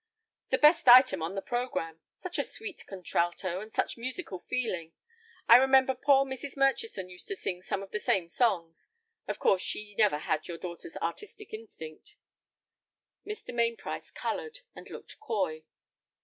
"The best item on the programme. Such a sweet contralto, and such musical feeling. I remember poor Mrs. Murchison used to sing some of the same songs. Of course she never had your daughter's artistic instinct." Mr. Mainprice colored, and looked coy.